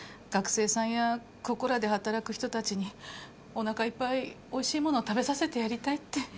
学生さんやここらで働く人たちにお腹いっぱいおいしいものを食べさせてやりたいって。